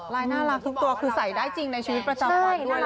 น่ารักทุกตัวคือใส่ได้จริงในชีวิตประจำวันด้วยนะ